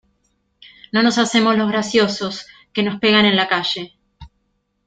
No nos hacemos los graciosos, que nos pegan en la calle.